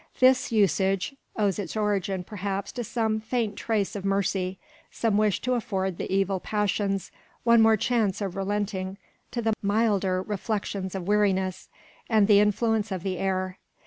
This usage owes its origin perhaps to some faint trace of mercy, some wish to afford the evil passions one more chance of relenting to the milder reflections of weariness, and the influence of the air.